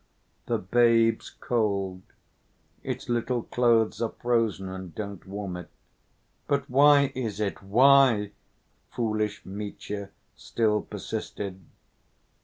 "The babe's cold, its little clothes are frozen and don't warm it." "But why is it? Why?" foolish Mitya still persisted.